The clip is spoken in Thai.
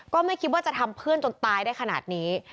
ก็ไม่คิดว่าจะทำเพื่อนจนตายได้ขนาดนี้